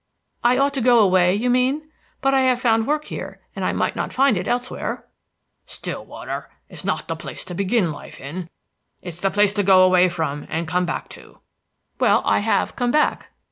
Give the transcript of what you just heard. "I ought to go away, you mean? But I have found work here, and I might not find it elsewhere." "Stillwater is not the place to begin life in. It's the place to go away from, and come back to." "Well, I have come back."